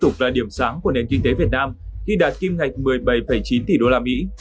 tiếp tục là điểm sáng của nền kinh tế việt nam khi đạt kim ngạch một mươi bảy chín tỷ đô la mỹ